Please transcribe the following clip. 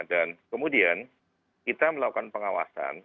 dan kemudian kita melakukan pengawasan